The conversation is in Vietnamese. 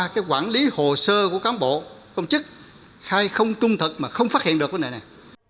cái quản lý hồ sơ của cán bộ công chức khai không trung thật mà không phát hiện được vấn đề này